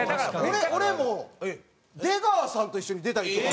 俺も出川さんと一緒に出たりとか。